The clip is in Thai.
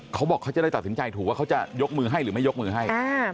เขาบอกเขาจะได้ตัดสินใจถูกว่าเขาจะยกมือให้หรือไม่ยกมือให้